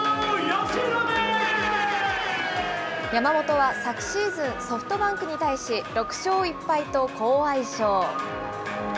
山本は昨シーズン、ソフトバンクに対し、６勝１敗と好相性。